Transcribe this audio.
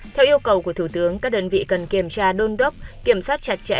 theo yêu cầu của thủ tướng các đơn vị cần kiểm tra đôn đốc kiểm soát chặt chẽ